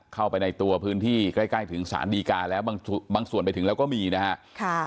เข้าไปในตัวพื้นที่ใกล้ถึงสารดีกาแล้วบางส่วนไปถึงแล้วก็มีนะฮะ